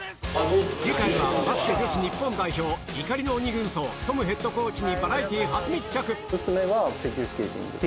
次回はバスケ女子日本代表、怒りの鬼軍曹、トムヘッドコーチにバラエティー初密着。